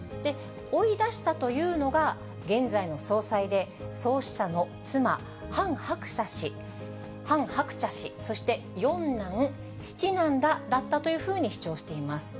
追い出したというのが、現在の総裁で創始者の妻、ハン・ハクチャ氏、そして四男、七男らだったというふうに主張しています。